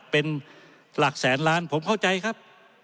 เป็นหลักแสนล้านผมเข้าใจครับ